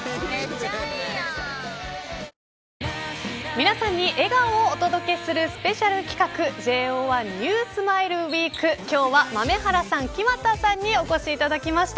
皆さんに笑顔をお届けするスペシャル企画ＪＯ１ＮＥＷＳｍｉｌｅＷｅｅｋ今日は豆原さん、木全さんにお越しいただきました。